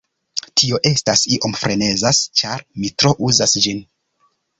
Tio estas iom frenezas ĉar mi tro uzas ĝin.